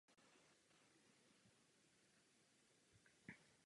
To bylo velmi důležité.